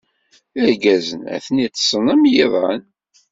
Irgazen atni ḍḍsen am yiḍan.